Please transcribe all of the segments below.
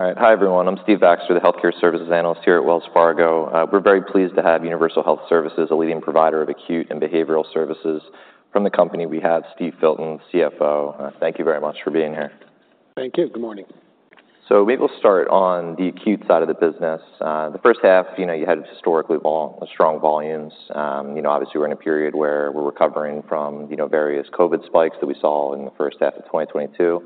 All right. Hi, everyone. I'm Steve Baxter, the healthcare services analyst here at Wells Fargo. We're very pleased to have Universal Health Services, a leading provider of acute and behavioral services. From the company, we have Steve Filton, CFO. Thank you very much for being here. Thank you. Good morning. So we will start on the acute side of the business. The first half, you know, you had historically strong volumes. You know, obviously, we're in a period where we're recovering from, you know, various COVID spikes that we saw in the first half of 2022.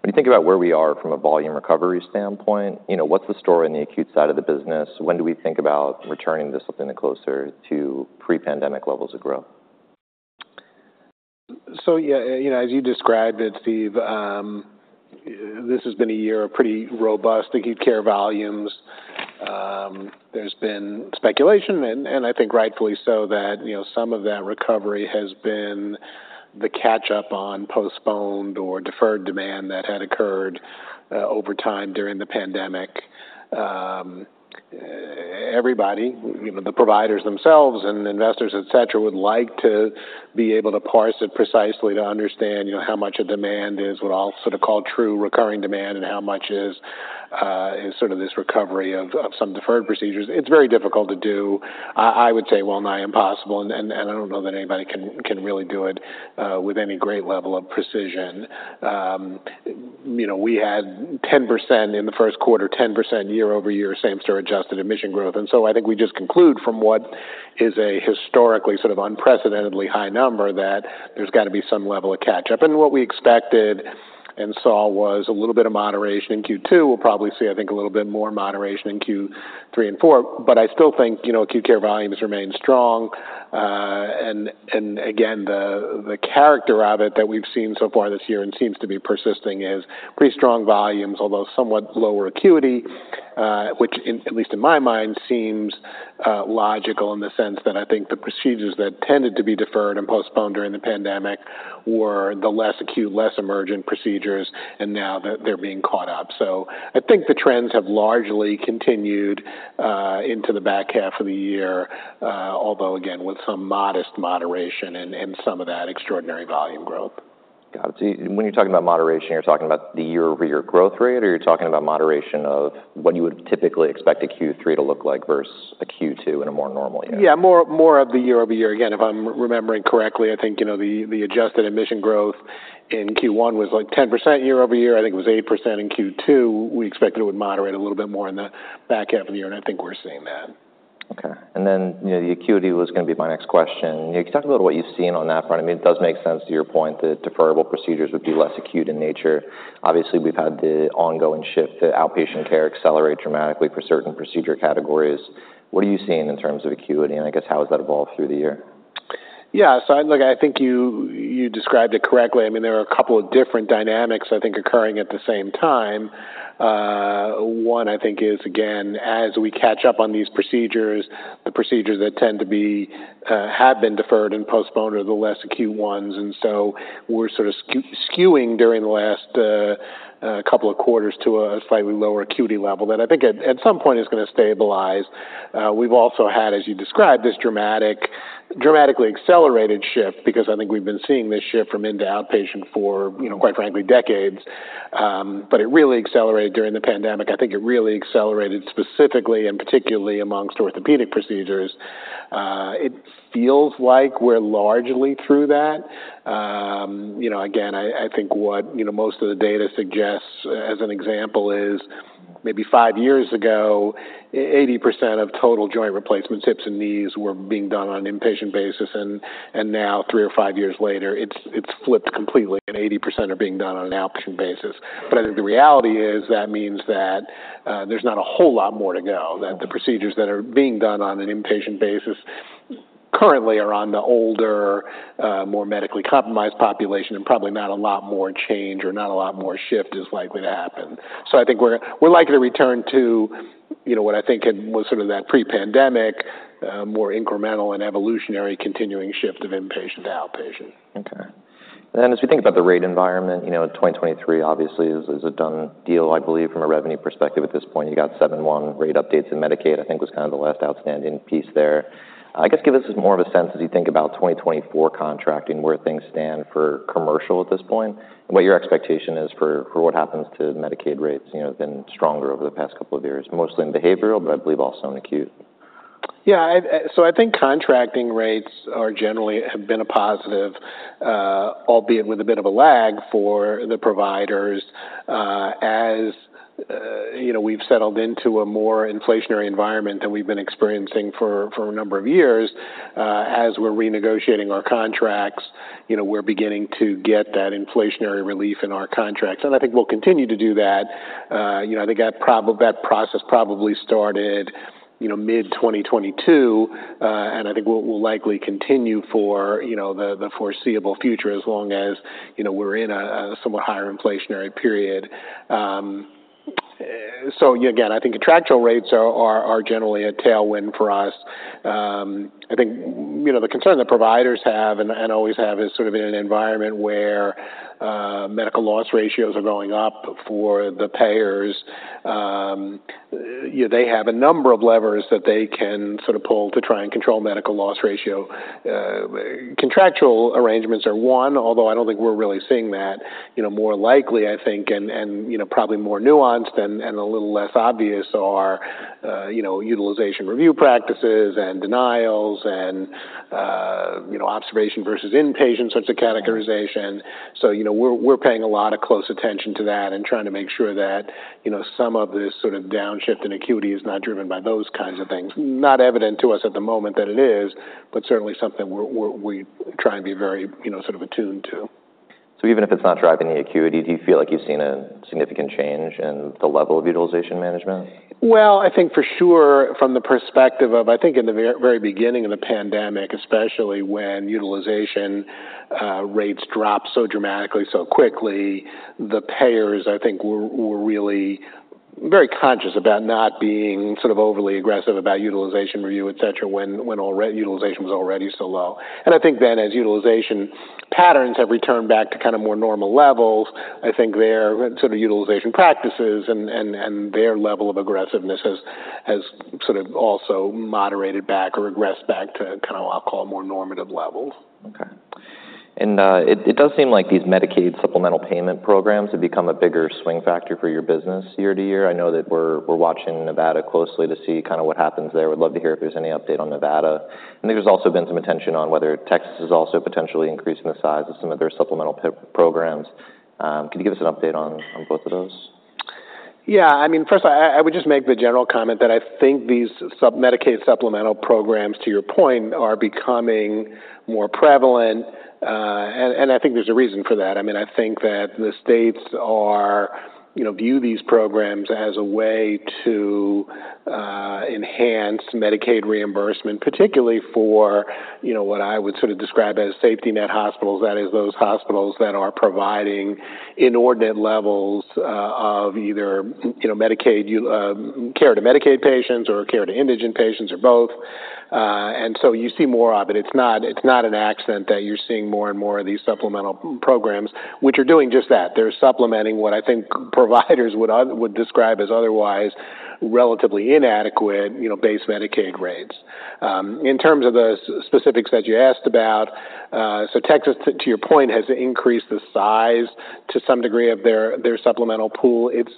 When you think about where we are from a volume recovery standpoint, you know, what's the story on the acute side of the business? When do we think about returning this something closer to pre-pandemic levels of growth? So, yeah, you know, as you described it, Steve, this has been a year of pretty robust acute care volumes. There's been speculation, and I think rightfully so, that, you know, some of that recovery has been the catch-up on postponed or deferred demand that had occurred, over time during the pandemic. Everybody, even the providers themselves and investors, et cetera, would like to be able to parse it precisely to understand, you know, how much of demand is what I'll sort of call true recurring demand, and how much is sort of this recovery of some deferred procedures. It's very difficult to do. I would say, well, nigh impossible, and I don't know that anybody can really do it, with any great level of precision. You know, we had 10% in the first quarter, 10% year-over-year, same-store adjusted admission growth. And so I think we just conclude from what is a historically sort of unprecedentedly high number, that there's got to be some level of catch-up. And what we expected and saw was a little bit of moderation in Q2. We'll probably see, I think, a little bit more moderation in Q3 and Q4, but I still think, you know, acute care volumes remain strong. Again, the character of it that we've seen so far this year and seems to be persisting is pretty strong volumes, although somewhat lower acuity, which, at least in my mind, seems logical in the sense that I think the procedures that tended to be deferred and postponed during the pandemic were the less acute, less emergent procedures, and now they're being caught up. So I think the trends have largely continued into the back half of the year, although again, with some modest moderation and some of that extraordinary volume growth. Got it. So when you're talking about moderation, you're talking about the year-over-year growth rate, or you're talking about moderation of what you would typically expect a Q3 to look like versus a Q2 in a more normal year? Yeah, more, more of the year-over-year. Again, if I'm remembering correctly, I think, you know, the adjusted admission growth in Q1 was, like, 10% year-over-year. I think it was 8% in Q2. We expected it would moderate a little bit more in the back half of the year, and I think we're seeing that. Okay, and then, you know, the acuity was going to be my next question. Can you talk a little about what you've seen on that front? I mean, it does make sense to your point, that deferrable procedures would be less acute in nature. Obviously, we've had the ongoing shift to outpatient care accelerate dramatically for certain procedure categories. What are you seeing in terms of acuity, and I guess, how has that evolved through the year? Yeah, so look, I think you described it correctly. I mean, there are a couple of different dynamics I think occurring at the same time. One, I think, is, again, as we catch up on these procedures, the procedures that tend to be have been deferred and postponed are the less acute ones. And so we're sort of skewing during the last couple of quarters to a slightly lower acuity level that I think at some point is going to stabilize. We've also had, as you described, this dramatically accelerated shift because I think we've been seeing this shift from in to outpatient for, you know, quite frankly, decades. But it really accelerated during the pandemic. I think it really accelerated specifically and particularly amongst orthopedic procedures. It feels like we're largely through that. You know, again, I think what you know most of the data suggests as an example is, maybe five years ago, 80% of total joint replacements, hips and knees, were being done on an inpatient basis, and now, three or five years later, it's flipped completely, and 80% are being done on an outpatient basis. But I think the reality is that means that there's not a whole lot more to go, that the procedures that are being done on an inpatient basis currently are on the older, more medically compromised population, and probably not a lot more change or not a lot more shift is likely to happen. So I think we're likely to return to, you know, what I think it was sort of that pre-pandemic, more incremental and evolutionary continuing shift of inpatient to outpatient. Okay. Then as we think about the rate environment, you know, 2023 obviously is a done deal, I believe, from a revenue perspective at this point. You got 7.1 rate updates, and Medicaid, I think, was kind of the last outstanding piece there. I guess, give us more of a sense as you think about 2024 contracting, where things stand for commercial at this point, and what your expectation is for, for what happens to Medicaid rates. You know, they've been stronger over the past couple of years, mostly in behavioral, but I believe also in acute. Yeah, so I think contracting rates are generally have been a positive, albeit with a bit of a lag for the providers. As you know, we've settled into a more inflationary environment than we've been experiencing for a number of years, as we're renegotiating our contracts, you know, we're beginning to get that inflationary relief in our contracts, and I think we'll continue to do that. You know, I think that process probably started, you know, mid-2022, and I think will likely continue for the foreseeable future as long as, you know, we're in a somewhat higher inflationary period. So again, I think contractual rates are generally a tailwind for us. I think, you know, the concern that providers have and always have is sort of in an environment where medical loss ratios are going up for the payers. They have a number of levers that they can sort of pull to try and control medical loss ratio. Contractual arrangements are one, although I don't think we're really seeing that. You know, more likely, I think, and you know, probably more nuanced and a little less obvious are you know, utilization review practices and denials and you know, observation versus inpatient sorts of categorization. So, you know, we're paying a lot of close attention to that and trying to make sure that, you know, some of this sort of downshift in acuity is not driven by those kinds of things. Not evident to us at the moment that it is, but certainly something we're, we try and be very, you know, sort of attuned to. Even if it's not driving the acuity, do you feel like you've seen a significant change in the level of utilization management? Well, I think for sure, from the perspective of, I think, in the very beginning of the pandemic, especially when utilization rates dropped so dramatically, so quickly, the payers, I think, were really very conscious about not being sort of overly aggressive about utilization review, et cetera, when already utilization was already so low. And I think then, as utilization patterns have returned back to kind of more normal levels, I think their sort of utilization practices and their level of aggressiveness has sort of also moderated back or regressed back to kind of, I'll call it, more normative levels. Okay. It does seem like these Medicaid supplemental payment programs have become a bigger swing factor for your business year to year. I know that we're watching Nevada closely to see kind of what happens there. Would love to hear if there's any update on Nevada. I think there's also been some attention on whether Texas is also potentially increasing the size of some of their supplemental programs. Can you give us an update on both of those? Yeah, I mean, first, I would just make the general comment that I think these Medicaid supplemental programs, to your point, are becoming more prevalent, and I think there's a reason for that. I mean, I think that the states are, you know, view these programs as a way to enhance Medicaid reimbursement, particularly for, you know, what I would sort of describe as safety net hospitals. That is, those hospitals that are providing inordinate levels of either, you know, Medicaid care to Medicaid patients or care to indigent patients or both. And so you see more of it. It's not, it's not an accident that you're seeing more and more of these supplemental programs, which are doing just that. They're supplementing what I think providers would describe as otherwise relatively inadequate, you know, base Medicaid rates. In terms of the specifics that you asked about, so Texas, to your point, has increased the size to some degree of their supplemental pool. It's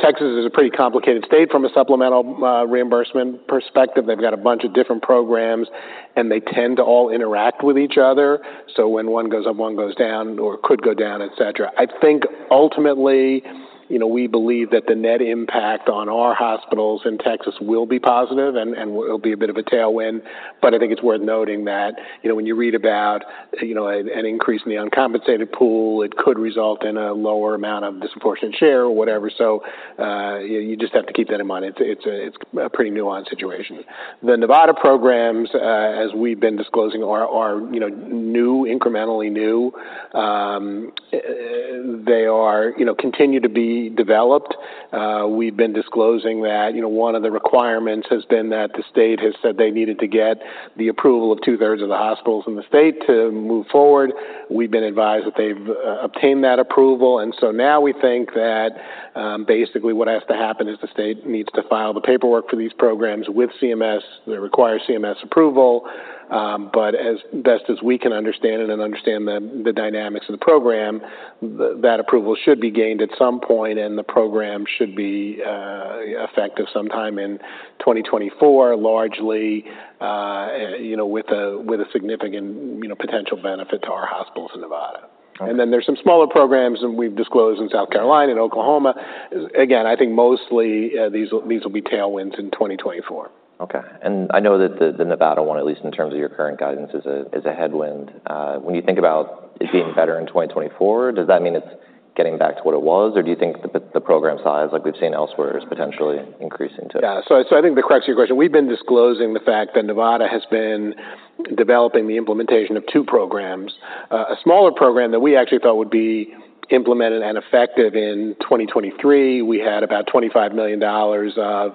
Texas is a pretty complicated state from a supplemental reimbursement perspective. They've got a bunch of different programs, and they tend to all interact with each other, so when one goes up, one goes down or could go down, et cetera. I think ultimately, you know, we believe that the net impact on our hospitals in Texas will be positive and it'll be a bit of a tailwind. But I think it's worth noting that, you know, when you read about, you know, an increase in the uncompensated pool, it could result in a lower amount of disproportionate share or whatever. So, you just have to keep that in mind. It's a pretty nuanced situation. The Nevada programs, as we've been disclosing, are, you know, new, incrementally new. They are, you know, continue to be developed. We've been disclosing that, you know, one of the requirements has been that the state has said they needed to get the approval of two-thirds of the hospitals in the state to move forward. We've been advised that they've obtained that approval, and so now we think that, basically what has to happen is the state needs to file the paperwork for these programs with CMS. They require CMS approval, but as best as we can understand it and understand the dynamics of the program, that approval should be gained at some point, and the program should be effective sometime in 2024, largely, you know, with a significant, you know, potential benefit to our hospitals in Nevada. Okay. And then there's some smaller programs that we've disclosed in South Carolina and Oklahoma. Again, I think mostly, these will be tailwinds in 2024. Okay, and I know that the Nevada one, at least in terms of your current guidance, is a headwind. When you think about it being better in 2024, does that mean it's getting back to what it was, or do you think that the program size, like we've seen elsewhere, is potentially increasing too? Yeah, so I think the crux of your question, we've been disclosing the fact that Nevada has been developing the implementation of two programs. A smaller program that we actually thought would be implemented and effective in 2023. We had about $25 million of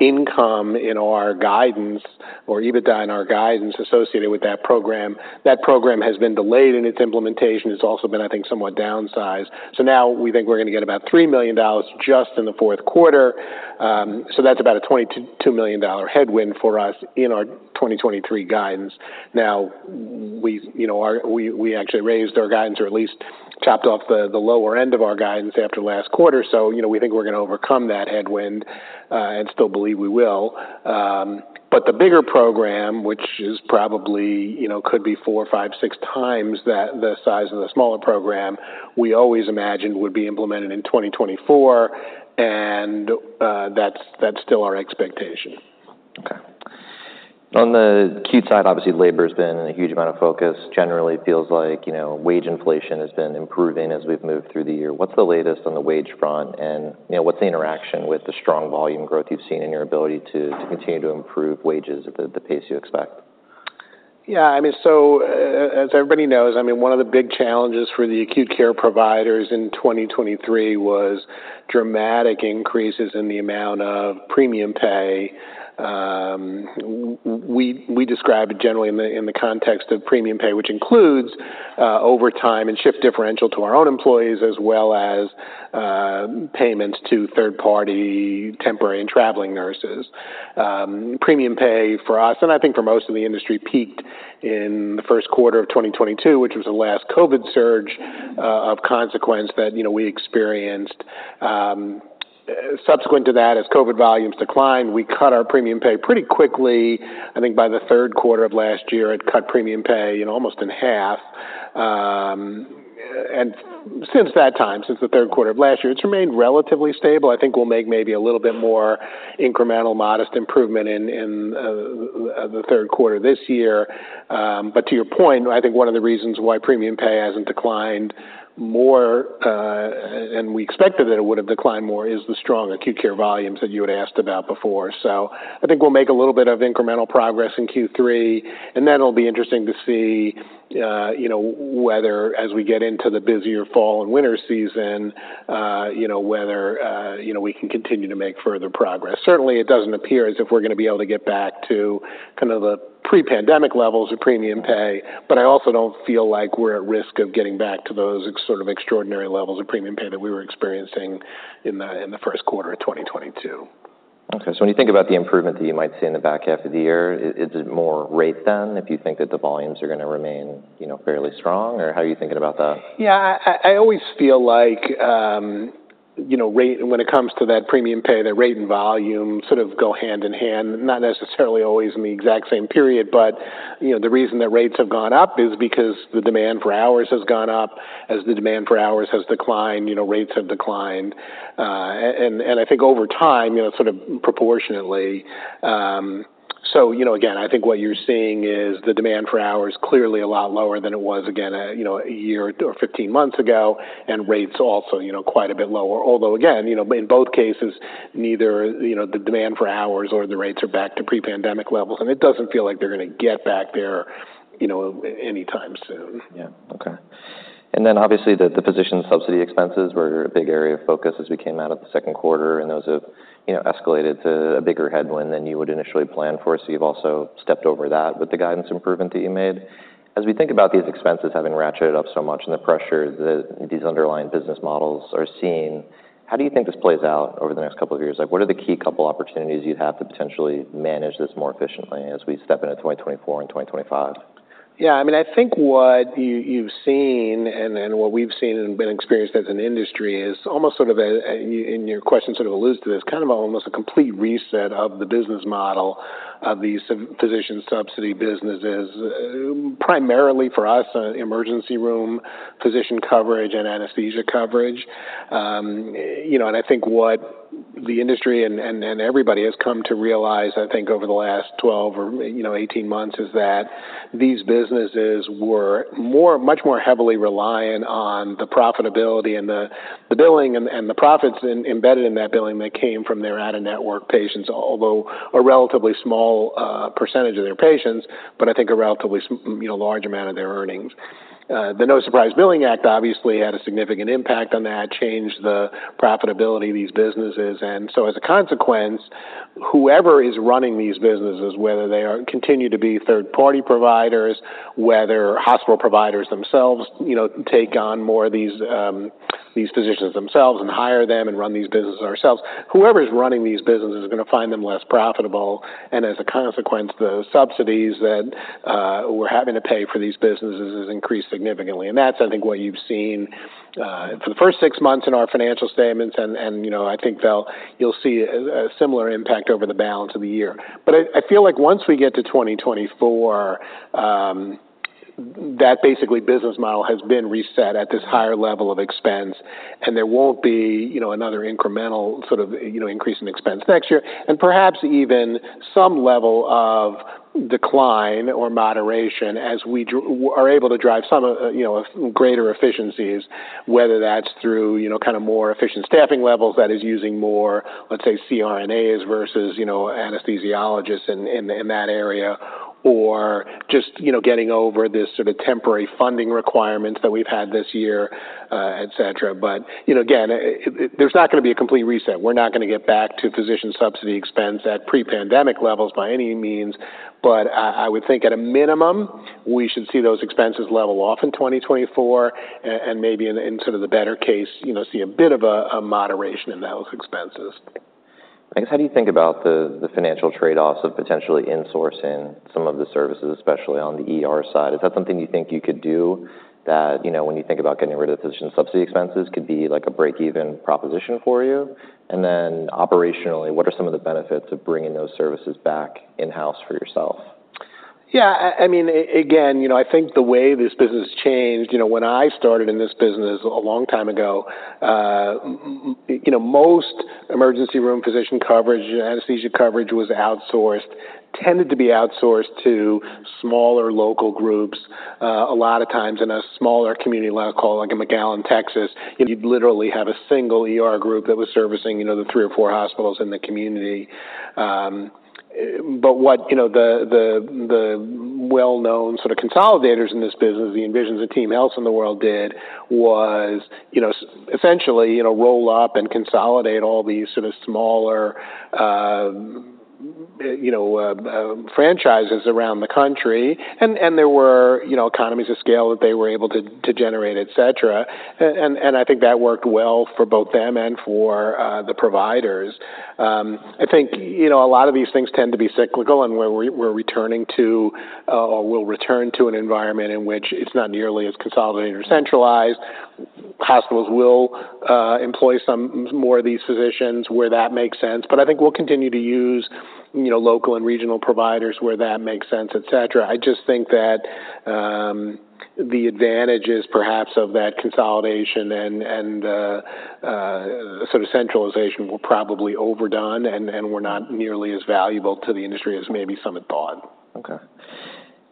income in our guidance or EBITDA in our guidance associated with that program. That program has been delayed in its implementation. It's also been, I think, somewhat downsized. So now we think we're gonna get about $3 million just in the fourth quarter, so that's about a $22 million headwind for us in our 2023 guidance. Now, you know, we actually raised our guidance or at least chopped off the lower end of our guidance after last quarter. So, you know, we think we're gonna overcome that headwind, and still believe we will. But the bigger program, which is probably, you know, could be four, five, six times that, the size of the smaller program, we always imagined would be implemented in 2024, and, that's, that's still our expectation. Okay. On the acute side, obviously, labor has been a huge amount of focus. Generally, it feels like, you know, wage inflation has been improving as we've moved through the year. What's the latest on the wage front? And, you know, what's the interaction with the strong volume growth you've seen in your ability to continue to improve wages at the pace you expect? Yeah, I mean, so, as everybody knows, I mean, one of the big challenges for the acute care providers in 2023 was dramatic increases in the amount of premium pay. We describe it generally in the context of premium pay, which includes overtime and shift differential to our own employees, as well as payments to third-party temporary and traveling nurses. Premium pay for us, and I think for most of the industry, peaked in the first quarter of 2022, which was the last COVID surge of consequence that, you know, we experienced. Subsequent to that, as COVID volumes declined, we cut our premium pay pretty quickly. I think by the third quarter of last year, had cut premium pay, you know, almost in half. And since that time, since the third quarter of last year, it's remained relatively stable. I think we'll make maybe a little bit more incremental, modest improvement in the third quarter this year. But to your point, I think one of the reasons why premium pay hasn't declined more than we expected that it would have declined more is the strong acute care volumes that you had asked about before. So I think we'll make a little bit of incremental progress in Q3, and then it'll be interesting to see you know, whether as we get into the busier fall and winter season you know, whether you know, we can continue to make further progress. Certainly, it doesn't appear as if we're going to be able to get back to kind of the pre-pandemic levels of premium pay, but I also don't feel like we're at risk of getting back to those sort of extraordinary levels of premium pay that we were experiencing in the first quarter of 2022. Okay, so when you think about the improvement that you might see in the back half of the year, is it more rate than, if you think that the volumes are going to remain, you know, fairly strong, or how are you thinking about that? Yeah, I always feel like, you know, rate-- when it comes to that premium pay, that rate and volume sort of go hand in hand, not necessarily always in the exact same period, but, you know, the reason that rates have gone up is because the demand for hours has gone up. As the demand for hours has declined, you know, rates have declined. And I think over time, you know, sort of proportionately. So you know, again, I think what you're seeing is the demand for hours clearly a lot lower than it was, again, you know, a year or 15 months ago, and rates also, you know, quite a bit lower. Although, again, you know, in both cases, neither, you know, the demand for hours or the rates are back to pre-pandemic levels, and it doesn't feel like they're going to get back there, you know, anytime soon. Yeah. Okay. And then obviously, the physician subsidy expenses were a big area of focus as we came out of the second quarter, and those have, you know, escalated to a bigger headwind than you would initially plan for. So you've also stepped over that with the guidance improvement that you made. As we think about these expenses having ratcheted up so much and the pressure that these underlying business models are seeing, how do you think this plays out over the next couple of years? Like, what are the key couple opportunities you'd have to potentially manage this more efficiently as we step into 2024 and 2025? Yeah, I mean, I think what you've seen and what we've seen and experienced as an industry is almost sort of a, and your question sort of alludes to this, kind of almost a complete reset of the business model of these physician subsidy businesses. Primarily for us, emergency room physician coverage and anesthesia coverage. You know, and I think what the industry and everybody has come to realize, I think, over the last 12 or 18 months, is that these businesses were much more heavily reliant on the profitability and the billing and the profits embedded in that billing that came from their out-of-network patients, although a relatively small percentage of their patients, but I think a relatively, you know, large amount of their earnings. The No Surprises Act obviously had a significant impact on that, changed the profitability of these businesses. So as a consequence, whoever is running these businesses, whether they are, continue to be third-party providers, whether hospital providers themselves, you know, take on more of these, these physicians themselves and hire them and run these businesses ourselves. Whoever is running these businesses is going to find them less profitable, and as a consequence, the subsidies that we're having to pay for these businesses has increased significantly. And that's, I think, what you've seen for the first six months in our financial statements, and you know, I think they'll, you'll see a similar impact over the balance of the year. But I feel like once we get to 2024, that basically business model has been reset at this higher level of expense, and there won't be, you know, another incremental sort of, you know, increase in expense next year, and perhaps even some level of decline or moderation as we are able to drive some, you know, greater efficiencies, whether that's through, you know, kind of more efficient staffing levels, that is, using more, let's say, CRNAs versus, you know, anesthesiologists in that area, or just, you know, getting over this sort of temporary funding requirements that we've had this year, et cetera. But, you know, again, it, there's not going to be a complete reset. We're not going to get back to physician subsidy expense at pre-pandemic levels by any means, but I would think at a minimum, we should see those expenses level off in 2024 and maybe in sort of the better case, you know, see a bit of a moderation in those expenses. I guess, how do you think about the financial trade-offs of potentially insourcing some of the services, especially on the ER side? Is that something you think you could do that, you know, when you think about getting rid of physician subsidy expenses, could be like a break-even proposition for you? And then operationally, what are some of the benefits of bringing those services back in-house for yourself? Yeah, I mean, again, you know, I think the way this business changed, you know, when I started in this business a long time ago, you know, most emergency room physician coverage, anesthesia coverage was outsourced, tended to be outsourced to smaller local groups. A lot of times in a smaller community, like McAllen, Texas, you'd literally have a single ER group that was servicing, you know, the three or four hospitals in the community. But what, you know, the well-known sort of consolidators in this business, the Envision and TeamHealth in the world did was, you know, essentially, you know, roll up and consolidate all these sort of smaller, you know, franchises around the country, and there were, you know, economies of scale that they were able to generate, et cetera. I think that worked well for both them and for the providers. I think, you know, a lot of these things tend to be cyclical, and where we're returning to or we'll return to an environment in which it's not nearly as consolidated or centralized. Hospitals will employ some more of these physicians where that makes sense, but I think we'll continue to use, you know, local and regional providers where that makes sense, et cetera. I just think that the advantages perhaps of that consolidation and sort of centralization were probably overdone and were not nearly as valuable to the industry as maybe some had thought. Okay.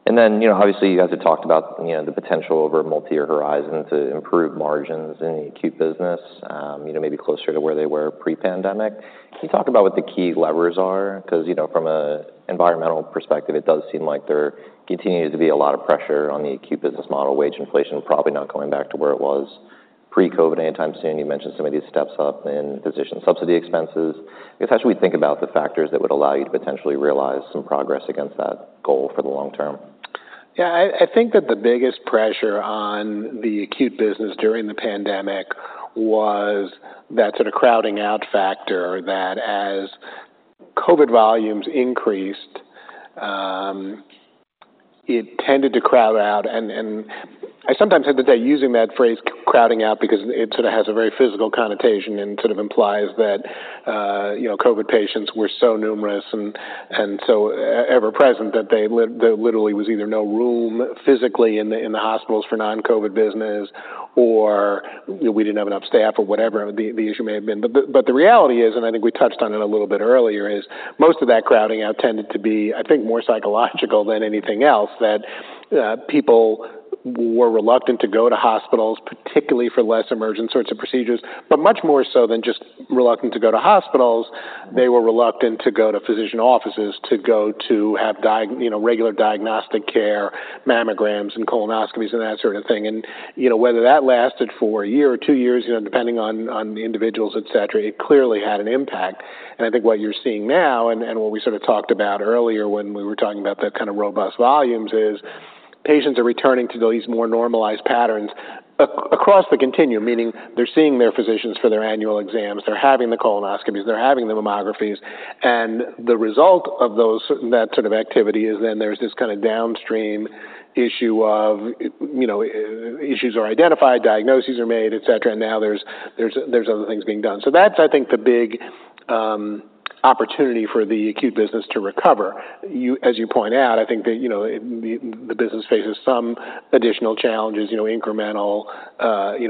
And then, you know, obviously, you guys have talked about, you know, the potential over a multi-year horizon to improve margins in the acute business, you know, maybe closer to where they were pre-pandemic. Can you talk about what the key levers are? Because, you know, from an environmental perspective, it does seem like there continues to be a lot of pressure on the acute business model, wage inflation, probably not going back to where it was pre-COVID anytime soon. You mentioned some of these steps up in physician subsidy expenses. How should we think about the factors that would allow you to potentially realize some progress against that goal for the long term? Yeah, I think that the biggest pressure on the acute business during the pandemic was that sort of crowding out factor, that as COVID volumes increased, it tended to crowd out. And I sometimes have to say, using that phrase, crowding out, because it sort of has a very physical connotation and sort of implies that, you know, COVID patients were so numerous and so ever present, that they there literally was either no room physically in the hospitals for non-COVID business, or we didn't have enough staff or whatever the issue may have been. But the reality is, and I think we touched on it a little bit earlier, is most of that crowding out tended to be, I think, more psychological than anything else, that people were reluctant to go to hospitals, particularly for less emergent sorts of procedures. But much more so than just reluctant to go to hospitals, they were reluctant to go to physician offices, to go to have diagnostic care, you know, mammograms and colonoscopies, and that sort of thing. And, you know, whether that lasted for a year or two years, you know, depending on the individuals, et cetera, it clearly had an impact. I think what you're seeing now, and what we sort of talked about earlier when we were talking about the kind of robust volumes, is patients are returning to these more normalized patterns across the continuum, meaning they're seeing their physicians for their annual exams, they're having the colonoscopies, they're having the mammographies. The result of those, that sort of activity, is then there's this kind of downstream issue of, you know, issues are identified, diagnoses are made, et cetera, and now there's other things being done. So that's, I think, the big opportunity for the acute business to recover. As you point out, I think that, you know, the business faces some additional challenges, you know, incremental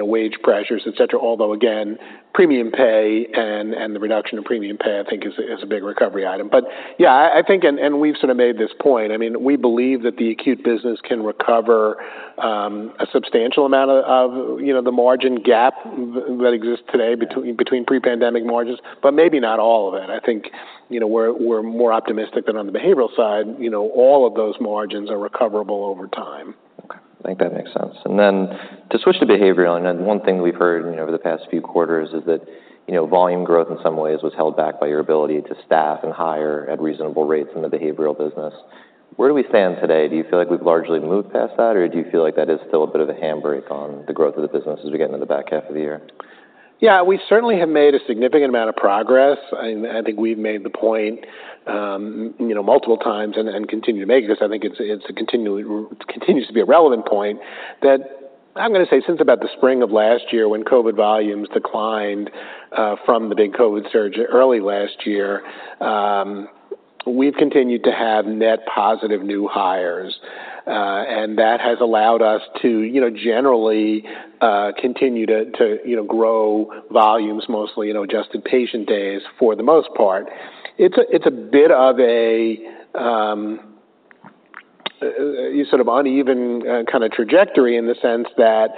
wage pressures, et cetera. Although, again, premium pay and the reduction in premium pay, I think, is a big recovery item. But yeah, I think and we've sort of made this point, I mean, we believe that the acute business can recover a substantial amount of, you know, the margin gap that exists today- Yeah... between pre-pandemic margins, but maybe not all of it. I think, you know, we're more optimistic that on the behavioral side, you know, all of those margins are recoverable over time. Okay. I think that makes sense. And then to switch to behavioral, and then one thing we've heard, you know, over the past few quarters is that, you know, volume growth in some ways was held back by your ability to staff and hire at reasonable rates in the behavioral business. Where do we stand today? Do you feel like we've largely moved past that, or do you feel like that is still a bit of a handbrake on the growth of the business as we get into the back half of the year? Yeah, we certainly have made a significant amount of progress, and I think we've made the point, you know, multiple times and continue to make this. I think it continues to be a relevant point, that I'm gonna say since about the spring of last year, when COVID volumes declined from the big COVID surge early last year, we've continued to have net positive new hires, and that has allowed us to, you know, generally continue to you know, grow volumes, mostly, you know, adjusted patient days for the most part. It's a bit of a sort of uneven kind of trajectory in the sense that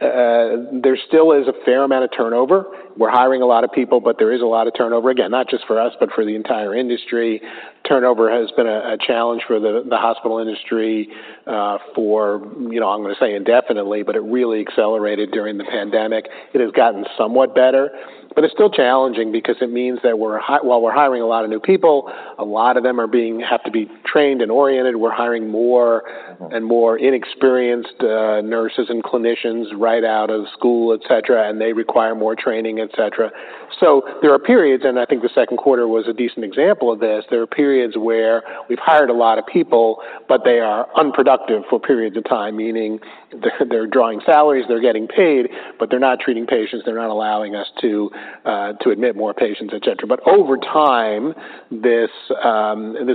there still is a fair amount of turnover. We're hiring a lot of people, but there is a lot of turnover. Again, not just for us, but for the entire industry. Turnover has been a challenge for the hospital industry, you know, I'm gonna say indefinitely, but it really accelerated during the pandemic. It has gotten somewhat better, but it's still challenging because it means that while we're hiring a lot of new people, a lot of them have to be trained and oriented. We're hiring more- Mm-hmm... and more inexperienced nurses and clinicians right out of school, et cetera, and they require more training, et cetera. So there are periods, and I think the second quarter was a decent example of this, there are periods where we've hired a lot of people, but they are unproductive for periods of time, meaning they're drawing salaries, they're getting paid, but they're not treating patients, they're not allowing us to to admit more patients, et cetera. But over time, this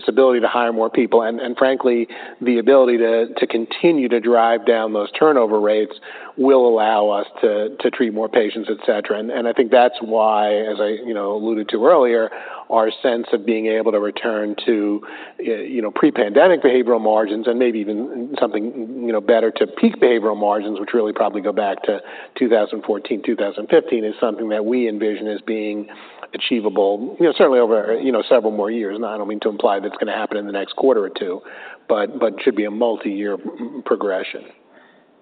ability to hire more people and, and frankly, the ability to continue to drive down those turnover rates will allow us to treat more patients, et cetera. I think that's why, as I, you know, alluded to earlier, our sense of being able to return to, you know, pre-pandemic behavioral margins and maybe even something, you know, better to peak behavioral margins, which really probably go back to 2014, 2015, is something that we envision as being achievable, you know, certainly over, you know, several more years. Now, I don't mean to imply that it's gonna happen in the next quarter or two, but should be a multi-year progression....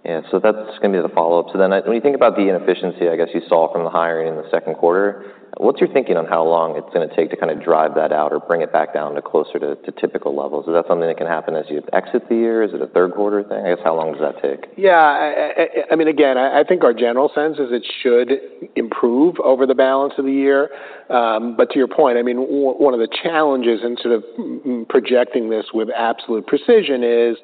Yeah, so that's gonna be the follow-up. So then when you think about the inefficiency, I guess, you saw from the hiring in the second quarter, what's your thinking on how long it's gonna take to kind of drive that out or bring it back down to closer to, to typical levels? Is that something that can happen as you exit the year? Is it a third quarter thing? I guess, how long does that take? Yeah, I mean, again, I think our general sense is it should improve over the balance of the year. But to your point, I mean, one of the challenges in sort of projecting this with absolute precision is,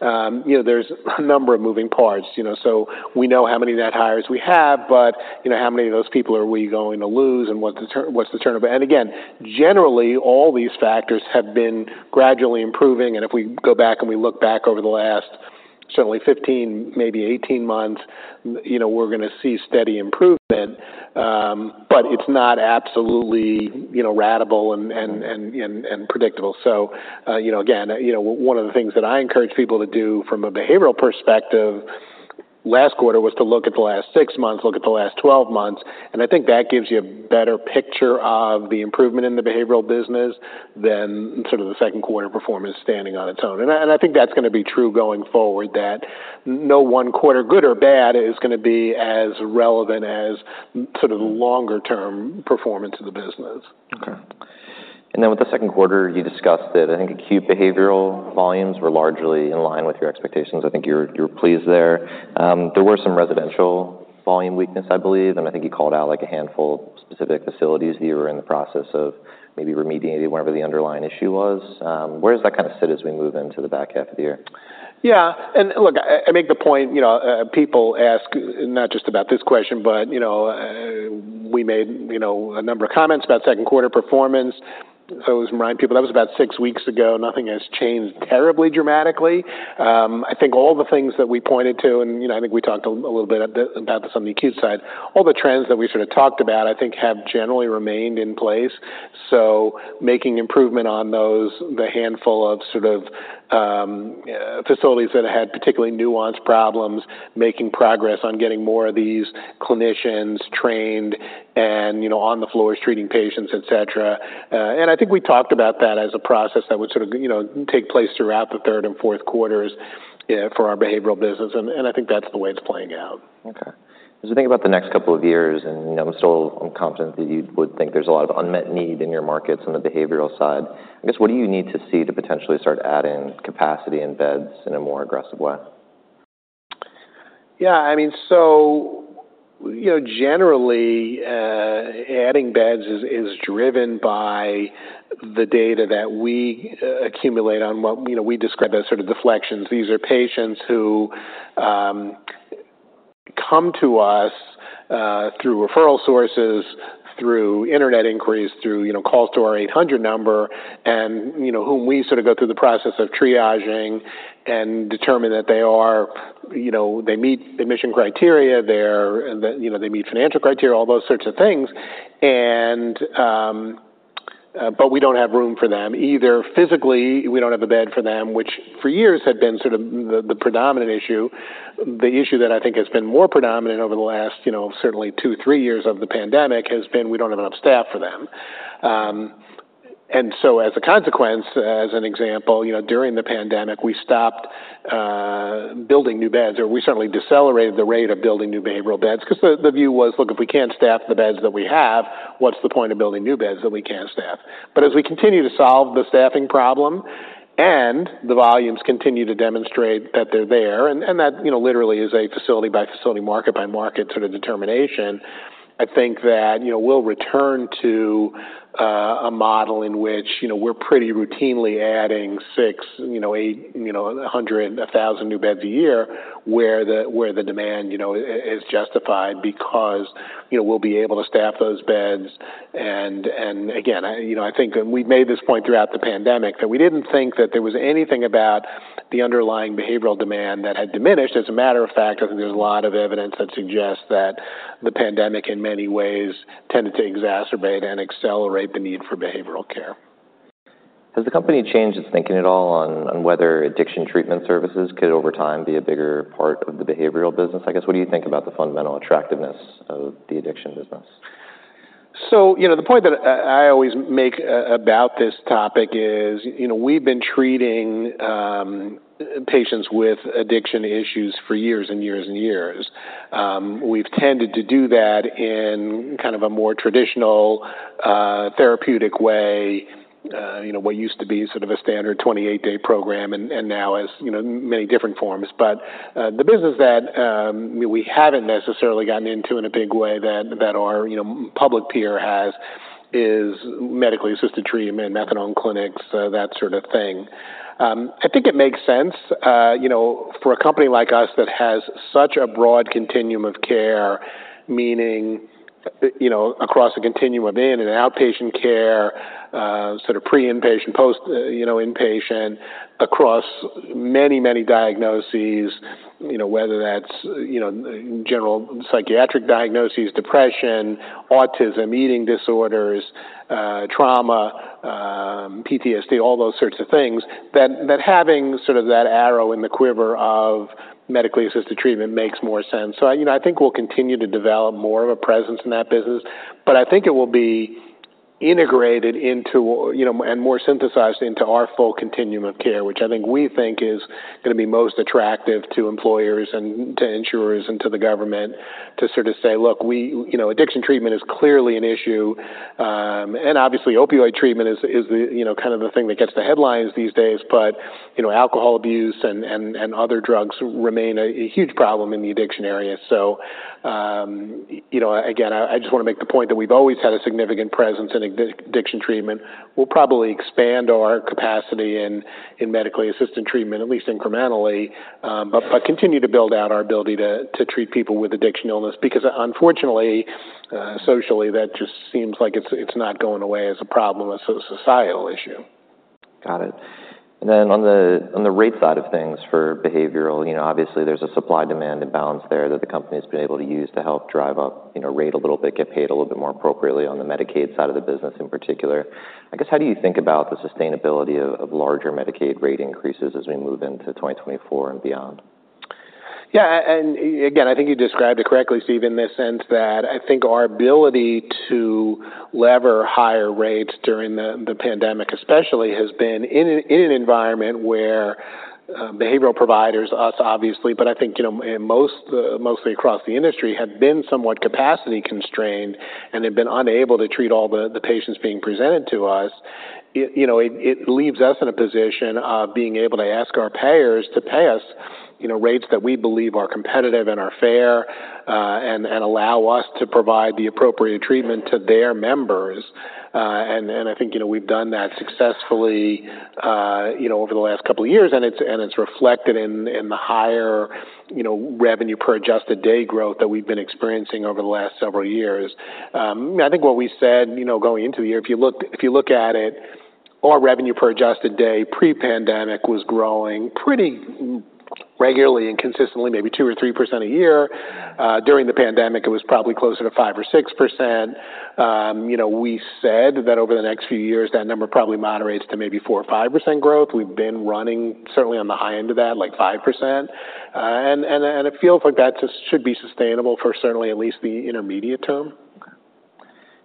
you know, there's a number of moving parts, you know. So we know how many net hires we have, but, you know, how many of those people are we going to lose and what's the turnover? And again, generally, all these factors have been gradually improving, and if we go back and we look back over the last certainly 15, maybe 18 months, you know, we're gonna see steady improvement, but it's not absolutely, you know, ratable and predictable. So, you know, again, you know, one of the things that I encourage people to do from a behavioral perspective last quarter was to look at the last six months, look at the last twelve months, and I think that gives you a better picture of the improvement in the behavioral business than sort of the second quarter performance standing on its own. And I think that's gonna be true going forward, that no one quarter, good or bad, is gonna be as relevant as sort of the longer-term performance of the business. Okay. And then with the second quarter, you discussed that, I think, acute behavioral volumes were largely in line with your expectations. I think you're pleased there. There were some residential volume weakness, I believe, and I think you called out, like, a handful of specific facilities that you were in the process of maybe remediating whatever the underlying issue was. Where does that kind of sit as we move into the back half of the year? Yeah, and look, I make the point, you know, people ask, not just about this question, but, you know, we made, you know, a number of comments about second quarter performance. So I always remind people that was about six weeks ago. Nothing has changed terribly dramatically. I think all the things that we pointed to, and, you know, I think we talked a little bit about this on the acute side, all the trends that we sort of talked about, I think, have generally remained in place. So making improvement on those, the handful of sort of facilities that had particularly nuanced problems, making progress on getting more of these clinicians trained and, you know, on the floors, treating patients, et cetera. And I think we talked about that as a process that would sort of, you know, take place throughout the third and fourth quarters, for our behavioral business, and I think that's the way it's playing out. Okay. As you think about the next couple of years, and, you know, I'm still confident that you would think there's a lot of unmet need in your markets on the behavioral side, I guess, what do you need to see to potentially start adding capacity and beds in a more aggressive way? Yeah, I mean, so, you know, generally, adding beds is driven by the data that we accumulate on what, you know, we describe as sort of deflections. These are patients who come to us through referral sources, through internet inquiries, through, you know, calls to our 800 number, and, you know, whom we sort of go through the process of triaging and determine that they are, you know, they meet admission criteria, they're, you know, they meet financial criteria, all those sorts of things. And, but we don't have room for them, either physically, we don't have a bed for them, which for years had been sort of the predominant issue. The issue that I think has been more predominant over the last, you know, certainly two, three years of the pandemic, has been we don't have enough staff for them. And so as a consequence, as an example, you know, during the pandemic, we stopped building new beds, or we certainly decelerated the rate of building new behavioral beds, 'cause the view was, look, if we can't staff the beds that we have, what's the point of building new beds that we can't staff? But as we continue to solve the staffing problem, and the volumes continue to demonstrate that they're there, and that, you know, literally is a facility-by-facility, market-by-market sort of determination, I think that, you know, we'll return to a model in which, you know, we're pretty routinely adding 6, you know, 8, you know, 100, 1,000 new beds a year, where the demand is justified because, you know, we'll be able to staff those beds. Again, you know, I think we've made this point throughout the pandemic, that we didn't think that there was anything about the underlying behavioral demand that had diminished. As a matter of fact, I think there's a lot of evidence that suggests that the pandemic, in many ways, tended to exacerbate and accelerate the need for behavioral care. Has the company changed its thinking at all on, on whether addiction treatment services could, over time, be a bigger part of the behavioral business? I guess, what do you think about the fundamental attractiveness of the addiction business? So, you know, the point that I always make about this topic is, you know, we've been treating patients with addiction issues for years and years and years. We've tended to do that in kind of a more traditional therapeutic way, you know, what used to be sort of a standard 28-day program, and now has, you know, many different forms. But the business that we haven't necessarily gotten into in a big way that our public peer has is medically assisted treatment, methadone clinics, that sort of thing. I think it makes sense, you know, for a company like us that has such a broad continuum of care, meaning, you know, across a continuum of in- and outpatient care, sort of pre-inpatient, post, you know, inpatient, across many, many diagnoses, you know, whether that's, you know, general psychiatric diagnoses, depression, autism, eating disorders, trauma, PTSD, all those sorts of things, that, that having sort of that arrow in the quiver of medically assisted treatment makes more sense. So, you know, I think we'll continue to develop more of a presence in that business, but I think it will be integrated into, you know, and more synthesized into our full continuum of care, which I think we think is going to be most attractive to employers and to insurers and to the government to sort of say, look, we, you know, addiction treatment is clearly an issue, and obviously, opioid treatment is, you know, kind of the thing that gets the headlines these days. But, you know, alcohol abuse and other drugs remain a huge problem in the addiction area. So, you know, again, I just want to make the point that we've always had a significant presence in addiction treatment. We'll probably expand our capacity in medically assisted treatment, at least incrementally, but continue to build out our ability to treat people with addiction illness, because unfortunately, socially, that just seems like it's not going away as a problem, as a societal issue. Got it. And then on the rate side of things for behavioral, you know, obviously there's a supply-demand imbalance there that the company's been able to use to help drive up, you know, rate a little bit, get paid a little bit more appropriately on the Medicaid side of the business in particular. I guess, how do you think about the sustainability of larger Medicaid rate increases as we move into 2024 and beyond? Yeah, and again, I think you described it correctly, Steve, in the sense that I think our ability to leverage higher rates during the pandemic especially has been in an environment where behavioral providers, us obviously, but I think, you know, mostly across the industry, have been somewhat capacity constrained, and they've been unable to treat all the patients being presented to us. You know, it leaves us in a position of being able to ask our payers to pay us rates that we believe are competitive and are fair, and allow us to provide the appropriate treatment to their members. And I think, you know, we've done that successfully, you know, over the last couple of years, and it's reflected in the higher, you know, revenue per adjusted day growth that we've been experiencing over the last several years. I think what we said, you know, going into the year, if you look at it, our revenue per adjusted day, pre-pandemic was growing pretty regularly and consistently, maybe 2 or 3% a year. During the pandemic, it was probably closer to 5 or 6%. You know, we said that over the next few years, that number probably moderates to maybe 4 or 5% growth. We've been running certainly on the high end of that, like 5%. It feels like that just should be sustainable for certainly at least the intermediate term.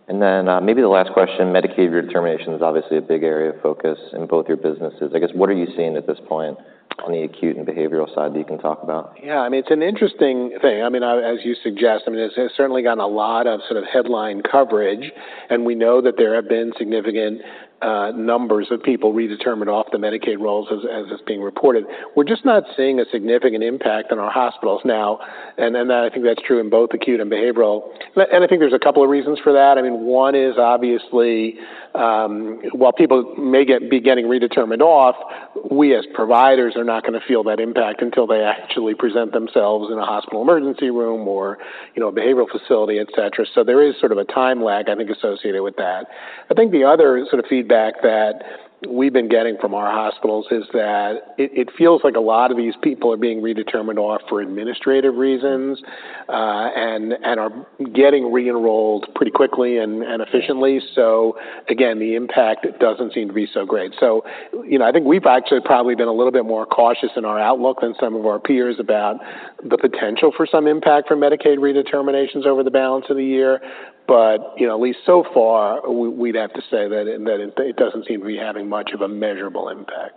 And then, maybe the last question, Medicaid redetermination is obviously a big area of focus in both your businesses. I guess, what are you seeing at this point on the acute and behavioral side that you can talk about? Yeah, I mean, it's an interesting thing. I mean, as you suggest, I mean, it's certainly gotten a lot of sort of headline coverage, and we know that there have been significant numbers of people redetermined off the Medicaid rolls as is being reported. We're just not seeing a significant impact in our hospitals now, and I think that's true in both acute and behavioral. And I think there's a couple of reasons for that. I mean, one is obviously while people may be getting redetermined off, we, as providers, are not going to feel that impact until they actually present themselves in a hospital emergency room or, you know, a behavioral facility, et cetera. So there is sort of a time lag, I think, associated with that. I think the other sort of feedback that we've been getting from our hospitals is that it feels like a lot of these people are being redetermined off for administrative reasons, and are getting re-enrolled pretty quickly and efficiently. So again, the impact doesn't seem to be so great. So, you know, I think we've actually probably been a little bit more cautious in our outlook than some of our peers about the potential for some impact from Medicaid redeterminations over the balance of the year. But, you know, at least so far, we'd have to say that it doesn't seem to be having much of a measurable impact.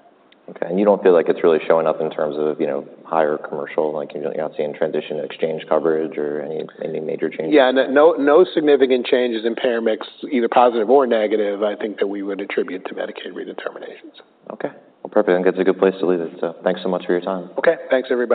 Okay, and you don't feel like it's really showing up in terms of, you know, higher commercial, like you're not seeing transition exchange coverage or any major changes? Yeah, no, no significant changes in payer mix, either positive or negative, I think that we would attribute to Medicaid redeterminations. Okay. Well, perfect. I think it's a good place to leave it. So thanks so much for your time. Okay. Thanks, everybody.